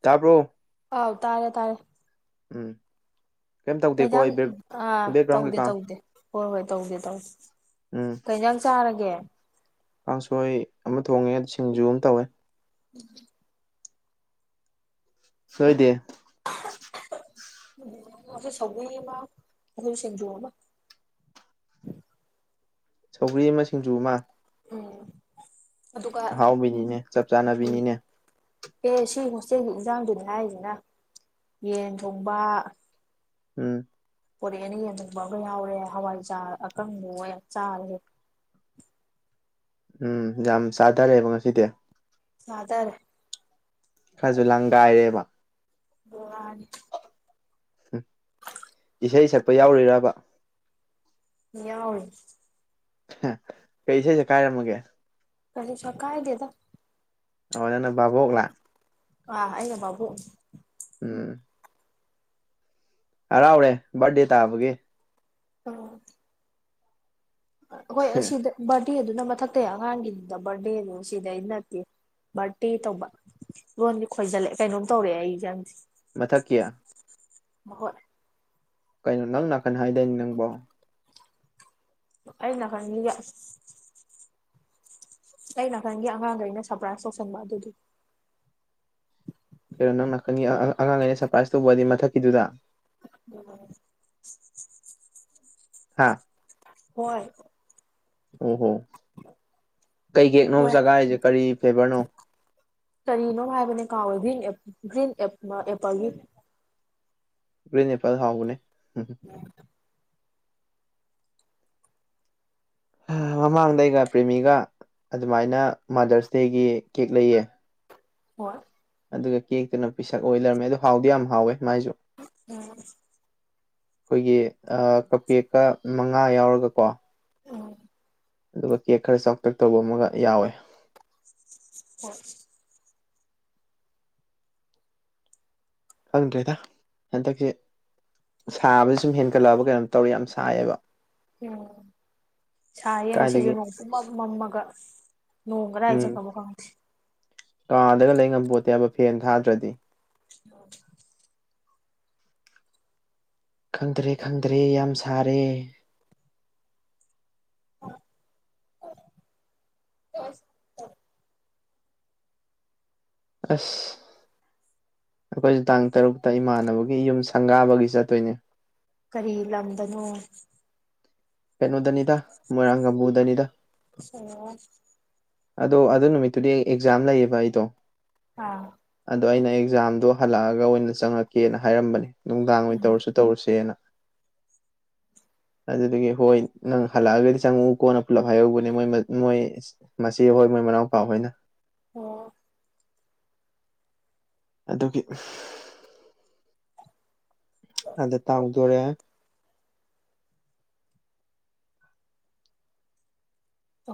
ꯇꯥꯕ꯭ꯔꯣ ꯑꯥꯎ ꯇꯥꯔꯦ ꯇꯥꯔꯦ ꯎꯝ ꯀꯩꯝ ꯇꯧꯗꯦꯀꯣ ꯀꯩꯖꯥꯡ ꯑꯩ ꯕꯦꯛ ꯑꯥ ꯕꯦꯛꯒ꯭ꯔꯥꯎꯟ ꯇꯧꯗꯦ ꯀꯩꯀꯥ ꯇꯧꯗꯦ ꯍꯣꯏ ꯍꯣꯏ ꯇꯧꯗꯦ ꯇꯧꯗꯦ ꯎꯝ ꯀꯩꯖꯥꯡ ꯆꯥꯔꯒꯦ ꯀꯥꯡꯁꯣꯏ ꯑꯃ ꯊꯣꯡꯉꯦ ꯁꯤꯡꯖꯨ ꯑꯃ ꯇꯧꯋꯦ [inaudible] ꯁꯣꯏꯗꯦ ꯉꯁꯤ ꯁꯧꯒ꯭ꯔꯤ ꯑꯃ ꯁꯤꯡꯖꯨ ꯑꯃ [inaudible] ꯁꯧꯒ꯭ꯔꯤ ꯑꯃ ꯁꯤꯡꯖꯨ ꯑꯃ ꯑꯣ ꯑꯍꯥꯎꯕꯤꯅꯤꯅꯦ ꯆꯞ ꯆꯥꯟꯅꯕꯤꯅꯤꯅꯦ ꯑꯦ ꯁꯤ ꯍꯣꯁꯇꯦꯜꯒꯤ ꯏꯟꯖꯥꯡꯗꯨꯅꯤ ꯍꯥꯏꯔꯤꯁꯤꯅ ꯌꯦꯟ ꯊꯣꯡꯕ ꯎꯝ ꯄꯣꯔꯦ ꯑꯅ ꯌꯦꯟꯊꫭꯡꯕ ꯑꯃ ꯌꯥꯎꯔꯦ ꯍꯋꯥꯏꯖꯥꯔ ꯑꯀꯪꯕ ꯌꯥꯝ ꯆꯥꯔꯦ [inaudible] ꯎꯝ ꯌꯥꯝ ꯆꯥꯗꯔꯦꯕ ꯉꯁꯤꯗꯤ ꯆꯥꯗꯥꯔꯦ ꯈꯖꯨ ꯂꯥꯡꯒꯥꯏꯔꯦꯕ [unintelligible] ꯍꯨ ꯏꯁꯩ ꯁꯛꯄ ꯌꯥꯎꯔꯤꯔꯥꯕ ꯌꯥꯎꯔꯤ [unintelligible] ꯀꯩ ꯏꯁꯩ ꯁꯛꯀꯥꯏꯔꯝꯃꯒꯦ ꯀꯩꯁꯨ ꯁꯛꯀꯥꯏꯗꯦꯗ ꯑꯃꯥꯏꯅꯅꫭ ꯕꯥꯕꫭꯛꯅ ꯑ ꯑꯩꯅ ꯕꯥꯕꯨꯛꯅꯤ ꯎꯝ ꯍꯔꯥꯎꯔꯦ ꯕꯔꯗꯦ ꯇꯥꯕꯒꯤ ꯑ ꯑꯀꫭꯏ ꯑꯁꯤꯗ ꯕꯥꯔꯗꯦ ꯑꯗꯨꯅ ꯃꯊꯛꯇꯩ ꯑꯉꯥꯡꯒꯤꯗ ꯕꯔꯗꯦꯅꯤ ꯁꯤꯗꯩ ꯅꯠꯇꯦ ꯕꯥꯔꯠꯗꯦ ꯇꯧꯕ ꯂꯣꯟꯗꯤ ꯈꯣꯏꯖꯜꯂꯦ ꯀꯩꯅꯣꯝ ꯇꯧꯔꯛꯑꯦ ꯑꯩꯁꯦ ꯈꯪꯗꯦ ꯃꯊꯛ ꯀꯌꯥ ꯍꯣꯏ ꯀꯩꯅꯣ ꯅꯪ ꯅꯥꯀꯟ ꯍꯥꯏꯗꯣꯏꯅꯤ ꯅꯪꯕꯣ ꯑꯩꯅ ꯈꯔꯒ ꯑꯩ ꯅꯥꯀꯟꯒꯤ ꯑꯉꯥꯡꯗ ꯑꯩꯅ ꯁꯔꯄ꯭ꯔꯥꯏꯖ ꯇꯧꯁꯟꯕ ꯑꯗꯨꯗꯤ ꯀꯩꯅꯣ ꯅꯪ ꯅꯥꯀꯟꯒꯤ ꯑꯉꯥꯡ ꯑꯩꯅ ꯁꯔꯄ꯭ꯔꯥꯏꯖ ꯇꯧꯕꯗꯤ ꯃꯊꯛꯀꯤꯗꯨꯗ ꯎꯝ ꯍꯥꯥ ꯍꯣꯏ ꯑꯣ ꯍꯣ ꯀꯩꯀꯦꯛꯅꯣ ꯍꯣꯏ ꯆꯒꯥꯔꯤꯁꯦ ꯀꯔꯤ ꯐ꯭ꯂꯦꯕꯔꯅꯣ ꯀꯔꯤꯅꯣ ꯍꯥꯏꯕꯅꯦ ꯀꯥꯋꯒꯔꯤ ꯒ꯭ꯔꯤꯟ ꯑꯦꯄꯜꯒꯤ ꯎꯦꯄꯥꯜ ꯍꯥꯎꯕꯅꯦ ꯃꯃꯥꯡꯗꯩꯒ ꯄ꯭ꯔꯦꯃꯤꯒ ꯑꯗꯨꯃꯥꯏꯅ ꯃꯥꯗꯔꯁ ꯗꯦꯒꯤ ꯀꯦꯛ ꯂꯩꯌꯦ ꯍꯣꯏ ꯑꯗꯨꯒ ꯀꯦꯛꯇꯨꯅ ꯄꯤꯁꯛ ꯑꯣꯏ ꯂꯩꯔꯝꯃꯦ ꯑꯗꯨ ꯍꯥꯎꯗꯤ ꯌꯥꯝ ꯍꯥꯎꯋꯦ ꯃꯥꯏꯁꯨ ꯎꯝ ꯑꯩꯈꯣꯏꯒꯤ ꯀꯞꯀꯦꯛꯀ ꯃꯉꯥ ꯌꯥꯎꯔꯒ ꯀꯣ ꯎꯝ ꯑꯗꯨꯒ ꯀꯦꯛ ꯈꯔ ꯆꯥꯎꯇꯦꯛ ꯇꯧꯕ ꯑꯃꯒ ꯌꯥꯎꯋꯦ ꯍ ꯈꯪꯗ꯭ꯔꯦꯗ ꯍꯟꯗꯛꯁꯦ ꯁꯥꯕꯁ ꯁꯨꯝ ꯍꯦꯟꯒꯠꯂꯛꯑꯕ ꯀꯩꯅꯣ ꯇꯧꯔ ꯌꯥꯝ ꯁꯥꯏꯌꯦꯕ ꯎꯝ ꯁꯥ ꯌꯦ ꯀꯥꯏꯗꯒꯤ ꯉꯁꯤꯁꯤꯅ ꯄꯨꯝꯃ ꯃꯝꯃꯒ ꯅꯣꯡꯒꯗꯥ ꯍꯥꯏ ꯎꯝ ꯆꯠꯀꯃꯣ ꯀꯥꯡꯁꯦ ꯀꯥꯗꯒ ꯂꯩ ꯉꯝ ꯄꯣꯠꯇꯦ ꯍꯥꯏꯕ ꯐꯦꯟ ꯊꯥꯗ꯭ꯔꯗꯤ ꯑ ꯈꯪꯗ꯭ꯔꯦ ꯈꯪꯗ꯭ꯔꯦ ꯌꯥꯝ ꯁꯥꯔꯦ ꯑ ꯑꯁ ꯑꯩꯈꯣꯏꯁꯨ ꯇꯥꯡ ꯇꯔꯨꯛꯇ ꯏꯃꯥꯟꯅꯕꯒꯤ ꯌꯨꯝ ꯁꯪꯒꯥꯕꯒꯤ ꯆꯠꯇꯣꯏꯅꯤ ꯀꯔꯤ ꯂꯝꯝꯕꯅꯣ ꯄꯩꯅꯣꯗꯅꯤꯗ ꯃꯣꯏꯕꯨꯗꯅꯤꯗ ꯑꯣ ꯑꯗꯣ ꯑꯗꯨ ꯅꯨꯃꯤꯠꯇꯨꯗꯤ ꯑꯦꯛꯖꯥꯝ ꯂꯩꯌꯦꯕ ꯑꯩꯗꯣ ꯑꯥ ꯑꯗꯣ ꯑꯩꯅ ꯑꯦꯛꯖꯥꯝꯗꯣ ꯍꯜꯂꯛꯑꯒ ꯑꯣꯏꯅ ꯆꯪꯉꯛꯀꯦꯅ ꯍꯥꯏꯔꯝꯕꯅꯦ ꯅꯨꯡꯗꯥꯡ ꯑꯣꯏꯅ ꯇꯧꯔꯁꯨ ꯇꯧꯔꯁꯦꯅ ꯑꯖꯤꯗꯒꯤꯗꯒꯤ ꯍꯣꯏ ꯅꯪ ꯍꯜꯂꯛꯑꯒꯗꯤ ꯆꯪꯉꯛꯎ ꯀꯣꯅ ꯄꯨꯂꯞ ꯍꯥꯏꯍꯧꯕꯅꯦꯣꯏ ꯃꯣꯏ ꯃꯁꯤ ꯍꯣꯏ ꯃꯣꯏ ꯃꯅꯥꯎꯄꯥ ꯍꯣꯏꯅ ꯑꯣ ꯑꯗꯨꯒꯤ ꯑꯗ ꯇꯥꯡꯗꯣꯔꯦ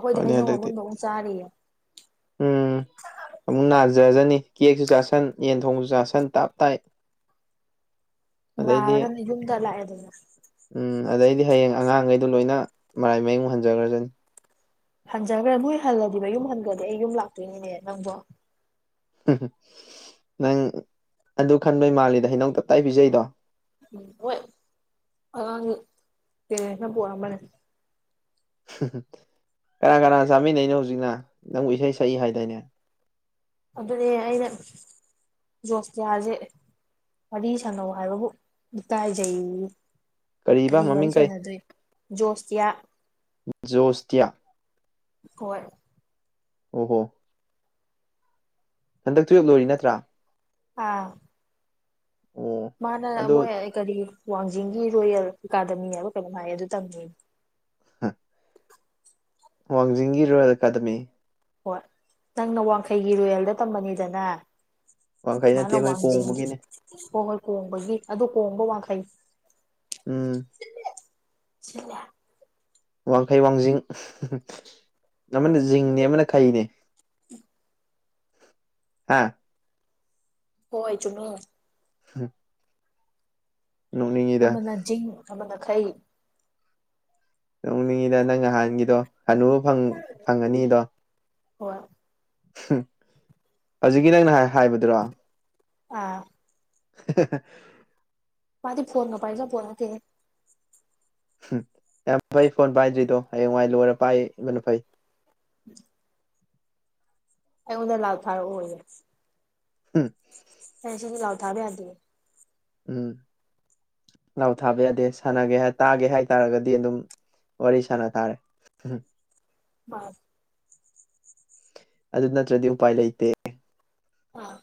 ꯍꯣꯏꯗꯤ ꯍꯣꯏꯅꯦ ꯍꯩꯅꯧ ꯑꯃꯨ ꯍꯟꯗꯛꯇꯤ ꯅꯣꯡꯨꯛ ꯆꯥꯔꯤꯌꯦ ꯎꯝ ꯑꯃꯨꯛ ꯅꯥꯖꯖꯅꯤ ꯀꯦꯛꯁꯨ ꯆꯥꯁꯟ ꯌꯦꯟꯊꯣꯡꯁꯨ ꯆꯥꯁꯟ ꯇꯥꯞ ꯇꯥꯏ ꯑꯗꯩꯗꯤ ꯒꯅꯤ ꯌꯨꯝ ꯇꯂꯥꯛꯑꯦ ꯑꯗꯨꯅ ꯎꯝ ꯑꯗꯩꯗꯤ ꯍꯌꯦꯡ ꯑꯉꯥꯡꯈꯩꯗ ꯂꯣꯏꯅ ꯃꯔꯥꯏ ꯃꯌꯤꯡ ꯃꯨ ꯍꯟꯖꯈ꯭ꯔꯖꯅꯤ ꯍꯟꯖꯈ꯭ꯔꯦ ꯃꯣꯏ ꯍꯜꯂꯗꯤꯕ ꯌꯨꯝ ꯍꯟꯈ꯭ꯔꯗꯤ ꯑꯩ ꯌꯨꯝ ꯂꯥꯛꯇꯣꯏꯅꯤꯅꯦ ꯅꯪꯗꯣ ꯅꯪ ꯑꯗꯨ ꯈꯟꯕꯩ ꯃꯥꯜꯂꯤꯗ ꯍꯩꯅꯧ ꯇꯞꯇꯥꯏ ꯄꯤꯖꯩꯗꯣ ꯎ ꯍ ꯑꯅ ꯄꯝꯕꯅꯦ [inaudible] ꯀꯅꯥ ꯀꯅꯥ ꯆꯥꯃꯤꯟꯅꯩꯅꯣ ꯍꯧꯖꯤꯛꯅ ꯅꯪꯕꯨ ꯏꯁꯩ ꯁꯛꯏ ꯍꯥꯏꯗꯅꯦ ꯑꯗꯨꯗꯅꯦꯦ ꯑꯩꯅ ꯖꯣꯁꯀꯤꯌꯥꯁꯦ ꯋꯥꯔꯤ ꯁꯥꯟꯅꯧ ꯍꯥꯏꯕꯕꯨ ꯀꯥꯏꯖꯩ ꯀꯔꯤꯕ ꯀꯔꯤ ꯋꯥꯔꯤ ꯃꯃꯤꯡ ꯀꯩ ꯁꯥꯟꯅꯗꯣꯏ ꯖꯣꯁꯇꯤꯌꯥ ꯖꯣꯁꯇꯌꯥ ꯍꯣꯏ ꯑꯣ ꯍꯣ ꯍꯟꯗꯛ ꯇꯨꯌꯦꯞ ꯂꯣꯏꯔꯤ ꯅꯠꯇ꯭ꯔꯥ ꯑꯥ ꯑꯣ ꯃꯥꯅ ꯑꯗꯣ ꯂꯃꯣ ꯌꯥ ꯀꯔꯤ ꯋꯥꯡꯖꯤꯡꯒꯤ ꯔꯣꯌꯦꯜ ꯑꯦꯀꯥꯗꯃꯤ ꯍꯥꯏꯕ ꯀꯩꯅꯣ ꯍꯥꯏꯌꯦ ꯑꯗꯨ ꯇꯪꯉ ꯍꯥ ꯋꯥꯡꯖꯤꯡꯒꯤ ꯔꯣꯌꯦꯜ ꯑꯦꯀꯥꯗꯃꯤ ꯍꯣꯏ ꯅꯪꯅ ꯋꯥꯡꯈꯩꯒꯤ ꯔꯨꯌꯦꯜꯗ ꯇꯃꯅꯤꯗꯅꯦ ꯋꯥꯡꯈꯩ ꯅꯠꯇꯦ ꯃꯥꯅ ꯑꯩꯈꯣꯏ ꯋꯥꯡꯖꯤꯡꯒꯤ ꯀꯣꯡꯕꯒꯤꯅꯦ ꯍꯣꯏ ꯍꯣꯏ ꯀꯣꯡꯕꯒꯤ ꯑꯗꯨ ꯀꯣꯡꯕ ꯋꯥꯡꯈꯩ ꯎꯝ ꯁꯤ ꯋꯥꯡꯈꯩ ꯋꯥꯡꯖꯤꯡ ꯑꯃꯅ ꯎꯝ ꯖꯤꯡꯅꯦ ꯑꯃꯅ ꯀꯩꯅꯦ ꯍꯥ ꯍꯣꯏ ꯆꯅꯨ ꯎꯝ ꯑꯃꯅ ꯤꯡ ꯑꯃꯅ ꯈꯩ ꯅꯣꯡꯅꯤꯡꯉꯤꯗ ꯅꯪ ꯅꯍꯥꯟꯒꯤꯗꯣ ꯍꯅꯨꯕ ꯐꯪꯉꯅꯤꯗꯣ ꯍꯣꯏ ꯍꯧꯖꯤꯛꯀꯤ ꯅꯪꯅ ꯍꯥꯏꯕꯗꯨꯔꯣ ꯑꯥ [inaudible] ꯃꯥꯗꯤ ꯐꯣꯟꯅ ꯄꯥꯏꯖ ꯐꯣꯟ ꯀꯦ ꯝ ꯌꯥꯝ ꯐꯩ ꯐꯣꯟ ꯄꯥꯏꯗ꯭ꯔꯤꯗꯣ ꯍꯌꯦꯡꯋꯥꯏ ꯂꯣꯏꯔ ꯄꯥꯏꯕꯅ ꯐꯩ ꯎꯝ ꯑ ꯑꯣꯗꯅ ꯂꯥꯎ ꯊꯥꯔꯌꯦ ꯎꯝ ꯄꯁꯤꯅꯤ ꯂꯥꯎ ꯊꯥꯕ ꯌꯥꯗ ꯎꯝ ꯂꯥꯎ ꯊꯥꯕ ꯌꯥꯗꯦ ꯁꯥꯟꯅꯒꯦ ꯇꯥꯒꯦ ꯍꯥꯏꯇꯥꯥꯔꯒꯗꯤ ꯑꯗꯨꯝ ꯑꯣꯔꯤꯁꯥꯅ ꯇꯥꯔꯦ ꯃꯥꯁ ꯑꯗꯨ ꯅꯠꯇ꯭ꯔꯗꯤ ꯎꯄꯥꯏ ꯂꯩꯇꯦ ꯑꯥ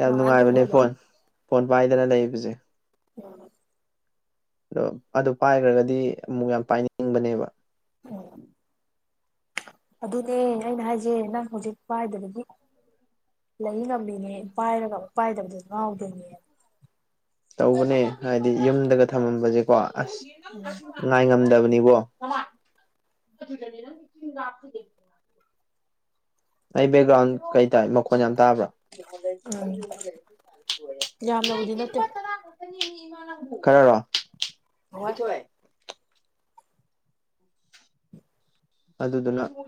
ꯌꯥꯝ ꯃꯉꯥꯟ ꯅꯨꯡꯉꯥꯏꯕꯅꯦ ꯇꯨꯝꯒ꯭ꯔꯕꯣ ꯐꯣꯟ ꯐꯣꯟ ꯄꯥꯏꯗꯅ ꯂꯩꯕꯁꯦ ꯎꯝ ꯑꯗꯣ ꯑꯗꯨ ꯄꯥꯏꯈ꯭ꯔꯒꯗꯤ ꯑꯃꯨꯛ ꯌꯥꯝ ꯄꯥꯏꯅꯤꯡꯕꯅꯦꯕ ꯎꯝ ꯑꯗꯨꯅꯦ ꯑꯩꯅ ꯍꯥꯏꯖꯩꯦ ꯅꯪ ꯍꯧꯖꯤꯛ ꯄꯥꯏꯗꯗꯤ ꯂꯩ ꯉꯃꯤꯅꯦ ꯄꯥꯏꯔꯒ ꯄꯥꯏꯗꯕꯗꯣ ꯉꯥꯎꯗꯣꯏꯅꯦ ꯇꯧꯕꯅꯦ ꯍꯥꯏꯗꯤ ꯌꯨꯝꯗꯒ ꯊꯝꯃꯝꯕꯁꯦꯀꯣ ꯑꯁ ꯉꯥꯏ ꯉꯝ ꯕꯅꯤꯕꯣ ꯑꯩ ꯕꯦꯛꯒ꯭ꯔꯥꯎꯟ ꯀꯩ ꯇꯥꯏ ꯃꯈꯣꯟ ꯌꯥꯝ ꯇꯥꯕ꯭ꯔꯥ ꯎꯝ ꯌꯥꯝꯅꯕꯨꯗꯤ ꯅꯠꯇꯦ [inaudible] ꯈꯔꯔꯣ ꯍꯣꯏ ꯑꯗꯨꯗꯨꯅ ꯑꯣꯣ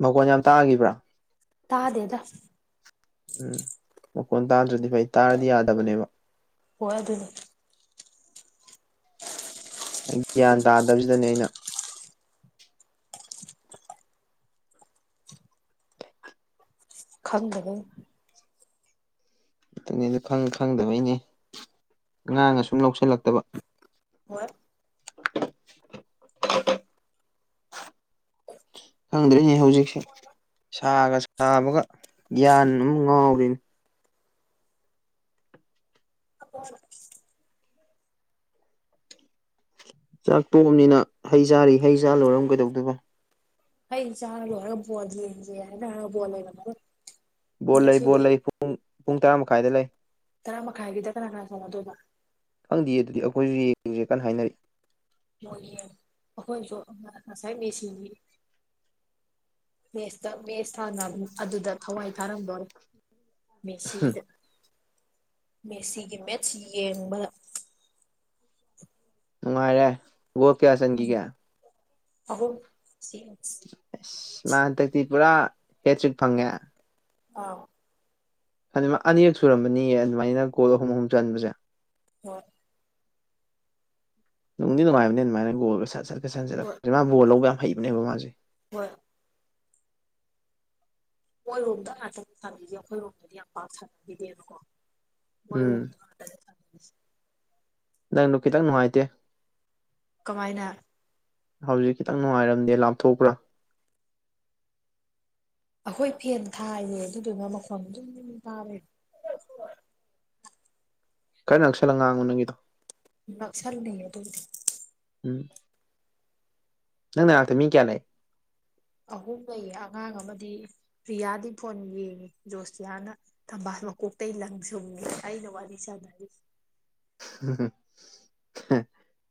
ꯃꯒꯣꯟ ꯌꯥꯝ ꯇꯥꯛꯈꯤꯕ꯭ꯔꯥ ꯇꯥꯗꯦꯗ ꯎꯝ ꯃꯈꯣꯟ ꯇꯥꯗ꯭ꯔꯗꯤ ꯐꯩ ꯇꯥꯔꯗꯤ ꯌꯥꯗꯕꯅꯦꯕ ꯍꯣꯏ ꯑꯗꯨꯅꯤ ꯒ꯭ꯌꯥꯟ ꯇꯥꯗꯕꯁꯤꯗꯅꯦ ꯑꯩꯅ ꯈꯪꯗꯕꯩꯅꯤ ꯅꯇꯅꯦꯗ ꯈꯪ ꯈꯪꯗꯕꯩꯅꯦ ꯑ ꯉꯥꯡꯉꯁꯨꯝ ꯂꯧꯁꯤꯜꯂꯛꯇꯕ ꯍꯣꯏ ꯑꯟꯑꯣꯗꯤꯕꯜ ꯈꯪꯗ꯭ꯔꯤꯅꯦ ꯍꯧꯖꯤꯛꯁꯦ ꯁꯥꯒ ꯁꯥꯕꯒ ꯒ꯭ꯌꯥꯟ ꯑꯃ ꯉꯥꯎꯔꯤꯅꯤ ꯆꯥꯛꯇꯣꯑꯝꯅꯤꯅ ꯍꯩ ꯆꯥꯔꯤ ꯍꯩ ꯆꯥ ꯂꯣꯏꯔꯝ ꯀꯩꯗꯧꯗꯕ ꯐꯩ ꯆꯥꯔ ꯂꯣꯏꯔꯒ ꯕꯣꯜ ꯌꯦꯡꯁꯦꯅ ꯕꯣꯜ ꯃꯩꯔꯝꯃꯔꯣꯏ ꯕꯣꯜ ꯂꯩ ꯕꯣꯜ ꯂꯩ ꯄꯨꯡ ꯄꯨꯡ ꯇꯔꯥ ꯃꯈꯥꯏꯗ ꯂꯩ ꯇꯔꯥ ꯃꯈꯥꯏꯒꯤꯗ ꯀꯅꯥ ꯀꯅꯥ ꯆꯪꯅꯗꯕ ꯈꯪꯗꯦ ꯑꯗꯨꯗꯤ ꯑꯩꯈꯣꯏꯁꯨ ꯌꯦꯡꯁꯦ ꯀꯟꯅ ꯍꯥꯏꯅꯔꯛꯏ ꯃꯣꯏꯒꯤ ꯑꯩꯈꯣꯏꯁꯨ ꯉꯁꯥꯏ ꯃꯤꯁꯤꯡꯒꯤ ꯃꯦꯁꯇ ꯃꯦꯁ ꯍꯥꯟꯅ ꯑꯗꯨꯗ ꯊꯋꯥꯏ ꯊꯥꯔꯝꯗꯣꯔꯦ ꯃꯦꯁꯤꯗ ꯃꯦꯁꯤꯒꯤ ꯃꯦꯠꯁ ꯌꯦꯡꯕꯗ ꯅꯨꯡꯉꯥꯏꯔꯦ ꯕꯣꯜ ꯀꯌꯥ ꯎꯝ ꯆꯟꯈꯤꯒꯦ ꯑꯍꯨꯝ ꯁꯤ ꯑꯥ ꯑꯁ ꯃꯥ ꯍꯟꯗꯛꯇꯤ ꯄꯨꯔꯥ ꯍꯦ ꯇꯔꯤꯛ ꯐꯪꯉꯦ ꯑꯥ ꯑꯅꯤꯔꯛ ꯁꯨꯔꯝꯕꯅꯤꯌꯦ ꯑꯗꯨꯃꯥꯏꯅ ꯒꯣꯜ ꯑꯍꯨꯝ ꯑꯍꯨꯝ ꯆꯟꯕꯁꯦ ꯍꯣꯏ ꯅꯨꯡꯗꯤ ꯅꯨꯡꯉꯥꯏꯕꯅꯦ ꯑꯗꯨꯃꯥꯏꯅ ꯒꯣꯜꯒ ꯁꯠ ꯆꯠꯀ ꯍꯣꯏ ꯁꯟꯠꯂꯄꯦ ꯃꯥ ꯕꯣꯜ ꯂꯧꯕ ꯌꯥꯝ ꯍꯩꯕꯅꯦꯕ ꯃꯥꯁꯦ ꯍꯣꯏ ꯃꯣꯏꯔꯣꯝꯗ ꯉꯇꯪ ꯁꯥꯟꯕꯤꯁꯦ ꯑꯩꯈꯣꯏꯔꯣꯝꯗꯗꯤ ꯌꯥꯝ ꯄꯥꯝ ꯁꯥꯟꯅꯕꯤꯗꯦꯅꯀꯣ ꯎꯝ ꯑꯟꯑꯣꯗꯤꯕꯜ ꯅꯪꯗꯨ ꯈꯤꯇꯪ ꯅꯨꯡꯉꯥꯏꯇꯦ ꯀꯃꯥꯏꯅ ꯍꯧꯖꯤꯛ ꯈꯤꯇꯪ ꯅꯨꯡꯉꯥꯏꯔꯝꯗꯦ ꯂꯥꯞꯊꯣꯛꯄ꯭ꯔꯥ ꯑꯩꯈꯣꯏ ꯐꯦꯟ ꯊꯥꯏꯅꯦ ꯑꯗꯨꯗꯨꯒ ꯃꯈꯣꯟ ꯑꯗꯨꯝ ꯇꯥꯔꯦ ꯈꯔ ꯅꯛꯁꯜꯂꯒ ꯉꯥꯡꯉꯣ ꯅꯪꯒꯤꯗꯣ ꯅꯛꯁꯜꯂꯤꯌꯦ ꯑꯗꯨꯕꯨꯗꯤ ꯎꯝ ꯅꯪ ꯅꯅꯥꯛꯇ ꯃꯤ ꯀꯌꯥ ꯂꯩ ꯑꯍꯨꯝ ꯂꯩꯌꯦ ꯑꯉꯥꯡ ꯑꯃꯗꯤ ꯔꯤꯌꯥꯗꯤ ꯐꯣꯟ ꯌꯦꯡꯉꯤ ꯖꯣꯁꯤꯌꯥꯅ ꯊꯝꯕꯥꯜ ꯃꯀꯣꯛꯇ ꯑꯩ ꯂꯪ ꯁꯨꯝꯉꯦ ꯑꯩꯅ ꯋꯥꯔꯤ ꯁꯥꯅꯔꯤ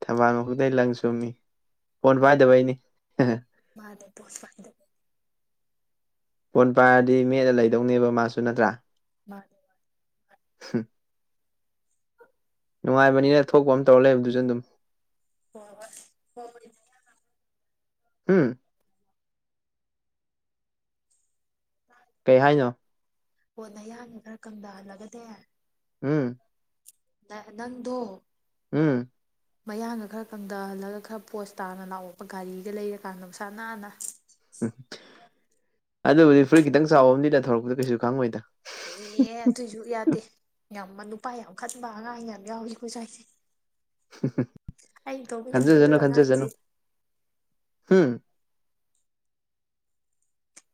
ꯊꯝꯕꯥꯜ ꯃꯈꯨꯗ ꯂꯪ ꯆꯨꯝꯃꯤ ꯐꯣꯟ ꯄꯥꯏꯗꯕꯩꯅꯤ ꯍꯍ ꯄꯥꯏꯗꯕꯩ ꯐꯣꯟ ꯄꯥꯏꯔꯗꯤ ꯃꯦꯠꯂ ꯂꯩꯗꯧꯅꯦꯕ ꯃꯥꯁꯨ ꯅꯠꯇ꯭ꯔꯥ ꯃꯥꯅꯤ ꯃꯥꯅꯤ ꯍꯝ ꯅꯨꯡꯉꯥꯏꯕꯅꯤꯅ ꯊꯣꯛꯄ ꯑꯃ ꯇꯧꯔꯒ ꯂꯩꯕꯗꯨꯁꯨ ꯑꯗꯨꯝ ꯍꯣꯏ ꯍꯣꯏ ꯍꯝ ꯀꯩ ꯍꯥꯏꯅꯣ ꯍꯣꯅ ꯌꯥꯅꯤ ꯈꯔ ꯀꯪꯗꯍꯜꯂꯒꯗꯤ ꯎꯝ ꯅ ꯅꯪꯗꯣ ꯎꯝ ꯃꯌꯥꯡꯒ ꯈꯔ ꯀꯪꯊꯍꯜꯂꯒ ꯈꯔ ꯄꯣꯁ ꯇꯥꯅ ꯂꯥꯛꯑꯣꯄ ꯒꯥꯔꯤꯒ ꯂꯩꯔꯀꯥꯟꯗ ꯃꯁꯥ ꯅꯥꯟꯅ ꯎꯝ ꯑꯗꯨꯕꯨꯗꯤ ꯐꯨꯔꯤꯠ ꯈꯤꯇꯪ ꯆꯥꯎꯕ ꯑꯃꯗꯤꯗ ꯊꯧꯔꯛꯄꯗ ꯀꯩꯁꯨ ꯈꯪꯉꯣꯏꯗ ꯑꯦ ꯑꯗꯨꯏꯁꯨ ꯌꯥꯗꯦ ꯌꯥꯝꯃ ꯎꯄꯥ ꯌꯥꯝ ꯈꯟꯕ ꯑꯉꯥꯡ ꯌꯥꯝ ꯌꯥꯎꯏꯈꯣ ꯆꯥꯏꯁꯦ ꯈꯪꯖꯦꯖꯅꯣ ꯈꯟꯗꯅ ꯈꯪꯖꯦꯖꯅꯣ ꯑꯉꯥꯡꯁꯦ ꯎꯝ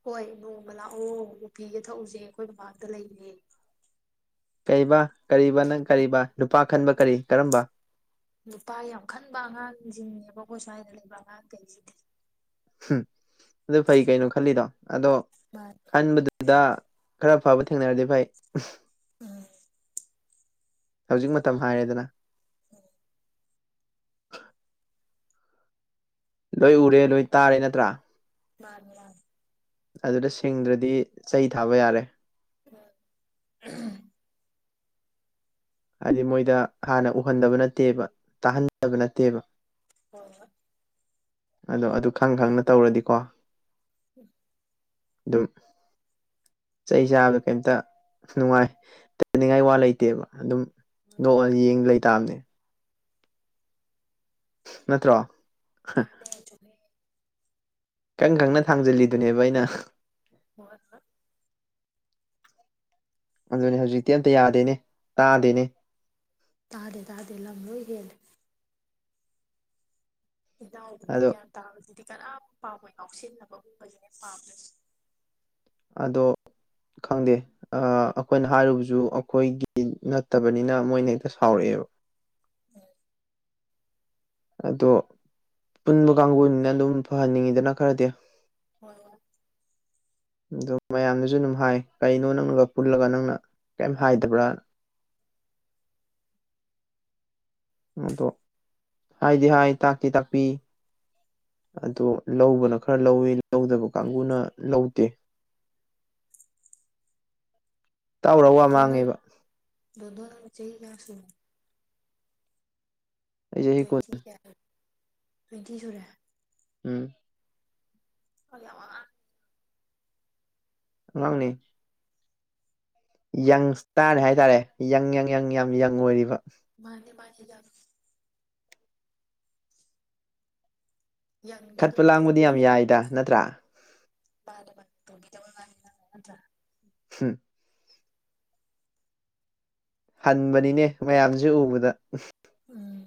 ꯍꯣꯏ ꯅꯣꯡꯃ ꯂꯥꯛꯑꯣ ꯎꯄꯤꯒ ꯊꯛꯎꯁꯦ ꯑꯩꯈꯣꯏ ꯃꯃꯥꯡꯗ ꯂꯩꯔꯦ ꯀꯕꯥ ꯀꯔꯤꯕ ꯅꯪ ꯀꯔꯤꯕ ꯅꯨꯄꯥ ꯈꯟꯕ ꯀꯔꯤ ꯀꯔꯝꯕ ꯂꯨꯄꯥ ꯌꯥꯝ ꯈꯟꯕ ꯑꯉꯥꯡꯁꯤꯡꯅꯦꯕꯀꯣ ꯁ꯭ꯋꯥꯏꯗ ꯂꯩꯕ ꯑꯉꯥꯡ ꯀꯩꯁꯤꯗꯤ ꯎꯝ ꯑꯗꯨ ꯐꯩ ꯀꯩꯅꯣ ꯈꯜꯂꯤꯗꯣ ꯑꯗꯣ ꯃꯥꯅꯤ ꯈꯟꯕꯗꯨꯗ ꯈꯔ ꯈꯐꯥꯕꯨ ꯊꯦꯡꯅꯔꯗꯤ ꯐꯚꯥꯏ ꯎꯝ ꯍꯧꯖꯤꯛ ꯃꯇꯝ ꯍꯥꯏꯔꯦꯗꯅ ꯂꯣꯏ ꯎꯔꯦ ꯂꯣꯏ ꯇꯥꯔꯦ ꯅꯠꯇ꯭ꯔꯥ ꯃꯥꯔ ꯑꯗꯨꯗ ꯁꯤꯡꯗ꯭ꯔꯗꯤ ꯆꯩ ꯊꯥꯕ ꯌꯥꯔꯦ ꯎꯝ ꯍꯥꯏꯗꯤ ꯃꯣꯏꯗ ꯍꯥꯟꯅ ꯎꯍꯟꯗꯕ ꯅꯠꯇꯦꯕ ꯇꯥꯍꯟꯗꯕ ꯅꯠꯇꯦꯕ ꯍ ꯑꯗꯣ ꯑꯗꯨ ꯈꯪ ꯈꯪꯅ ꯇꯧꯔꯗꯤꯀꯣ ꯎꯝ ꯑꯗꯨꯝ ꯆꯩ ꯆꯥꯕꯗꯣ ꯀꯩꯇ ꯅꯨꯡꯉꯥꯏ ꯇꯅꯤꯡꯉꯥꯏ ꯋꯥ ꯂꯩꯇꯦꯕ ꯑꯗꯨꯝ ꯅꯣꯛ ꯌꯦꯡ ꯂꯩꯇꯥꯕꯅꯦ ꯅꯠꯇ꯭ꯔ ꯃꯥꯅꯦ ꯆꯨꯝꯃꯦ ꯈꯪ ꯈꯪꯅ ꯊꯥꯡꯖꯤꯜꯂꯤꯗꯨꯅꯦꯕ ꯑꯩꯅ ꯍꯣꯏ ꯑꯗꯨꯅꯦ ꯍꯧꯖꯤꯛꯇꯤ ꯑꯝꯇ ꯌꯥꯗꯦꯅꯦ ꯇꯥꯗꯦꯅꯦ ꯇꯥꯗꯦ ꯇꯥꯗꯦ ꯂꯝꯪꯂꯣꯏ ꯍꯦꯜꯂꯦ ꯏ ꯑꯗꯣ ꯃꯒꯤꯦ ꯇ ꯀꯅꯥꯝ ꯄꯥꯕ ꯉꯥꯎꯁꯤꯟꯅꯕꯒꯨꯝ ꯐꯖꯅ ꯄꯥꯝꯂ꯭ꯔꯁ ꯑꯗꯣ ꯈꯪꯗꯦ ꯑꯩꯈꯣꯏꯅ ꯍꯥꯏꯔꯨꯕꯁꯨ ꯑꯩꯈꯣꯏꯒꯤ ꯅꯠꯇꯕꯅꯤꯅ ꯃꯣꯏꯅ ꯍꯦꯛꯇ ꯁꯥꯎꯔꯛꯑꯦ [inaudible] ꯑꯗꯣ ꯄꯨꯟꯕ ꯀꯥꯡꯕꯨꯅꯤꯅ ꯑꯗꯨꯝ ꯐꯍꯟꯅꯤꯡꯉꯤꯗꯅ ꯈꯔꯗꯤ ꯍꯣꯏ ꯑꯗꯨ ꯃꯌꯥꯝꯅꯁꯨ ꯑꯗꯨꯝ ꯍꯥꯏ ꯀꯩꯅꯣ ꯅꯪꯅꯒ ꯄꯨꯜꯂꯒ ꯅꯪꯅ ꯀꯔꯤꯝ ꯍꯥꯏꯗꯕ꯭ꯔꯥ ꯑꯗꯣ ꯍꯥꯏꯗꯤ ꯍꯥꯏ ꯇꯥꯛꯀꯤ ꯇꯥꯛꯄꯤ ꯑꯣ ꯂꯧꯕꯅ ꯈꯔ ꯂꯧꯋꯤ ꯂꯧꯗꯕ ꯀꯥꯡꯕꯨꯅ ꯂꯧꯗꯦ ꯇꯥꯎꯔ ꯋꯥ ꯃꯥꯡꯉꯦꯕ ꯆꯍꯤꯒ ꯐ ꯑꯩ ꯆꯍꯤ ꯀꯨꯟ ꯇ꯭ꯋꯦꯟꯇꯤ ꯀꯌꯥ ꯇ꯭ꯋꯦꯟꯇꯤ ꯁꯨꯔꯦ ꯎꯝ ꯑ ꯂꯪꯅꯤ ꯌꯪꯁꯇꯥꯔꯅꯦ ꯍꯥꯏꯇꯥꯔꯦ ꯌꯪ ꯌꯪ ꯌꯪ ꯌꯥꯝ ꯌꯪ ꯑꯣꯏꯔꯤꯕ ꯃꯥꯅꯦ ꯃꯥꯒꯤꯖ ꯌꯪꯗ ꯑꯗꯨꯝ ꯈꯠꯄ ꯂꯥꯡꯕꯗꯤ ꯌꯥꯝ ꯌꯥꯏꯗ ꯅꯠꯇ꯭ꯔꯥ ꯔ ꯊ ꯎꯝ ꯍꯟꯕꯅꯤꯅꯦ ꯃꯌꯥꯝꯁꯦ ꯎꯕꯗ ꯎ ꯎꯝ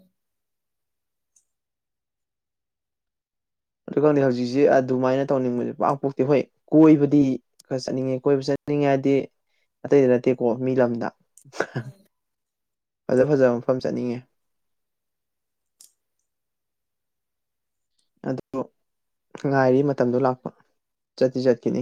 ꯑꯗꯨ ꯈꯪꯗꯤ ꯍꯧꯖꯤꯛꯁꯦ ꯑꯗꯨꯃꯥꯏꯅ ꯇꯧꯅꯤꯡꯕꯁꯦ ꯄꯥꯛ ꯄꯣꯛꯇꯤ ꯍꯣꯏ ꯀꯣꯏꯕꯗꯤ ꯈꯔ ꯆꯠꯅꯤꯡꯉꯦ ꯀꯣꯏꯕꯕꯁꯤ ꯆꯠꯅꯤꯡ ꯆꯅꯤꯡꯉꯥꯏꯗꯤ ꯑꯇꯩꯗ ꯅꯠꯇꯦꯀꯣ ꯃꯤ ꯂꯝꯗ ꯎꯝ ꯐꯖ ꯐꯖꯕ ꯃꯐꯝ ꯆꯠꯅꯤꯡꯉꯦ ꯑꯗꯨꯣ ꯉꯥꯏꯔꯤ ꯃꯇꯝꯗꯣ ꯂꯥꯛꯄ ꯆꯠꯇꯠꯇꯤ ꯆꯠꯈꯤꯅꯤ